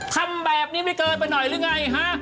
ทำแบบนี้ไม่เกินไปหน่อยหรือไงฮะ